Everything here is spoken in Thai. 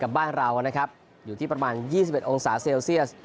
กับบ้านเรานะครับอยู่ที่ประมาณยี่สิบเอ็ดองศาเซลเซียส